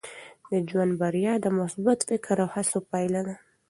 د ژوند بریا د مثبت فکر او هڅو پایله ده.